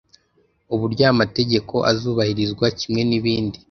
uburyo aya mategeko azubahirizwa kimwe n’ibindi